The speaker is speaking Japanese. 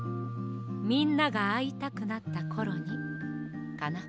みんながあいたくなったころにかな。